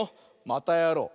またやろう！